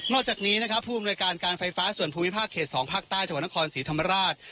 นอกจากนี้ผู้อำนวยการการไฟฟ้าส่วนภูมิภาคเขต๒ภาคใต้จนครศรีธรรมราช